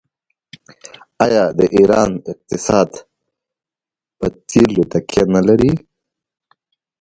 آیا د ایران اقتصاد په تیلو تکیه نلري؟